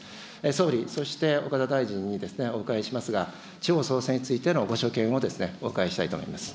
総理、そして岡田大臣にお伺いしますが、地方創生についてのご所見を、お伺いしたいと思います。